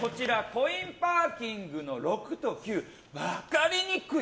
コインパーキングの６と９が分かりにくい。